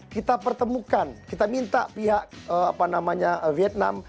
kita pertemukan kita minta pihak vietnam